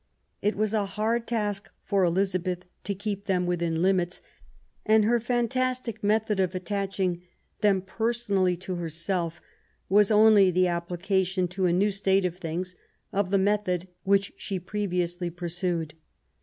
It was a hard task for Elizabeth to keep them within limits, and her fantastic method of attaching them personally to herself was only the application to a new state of things of the method which she had previously pursued.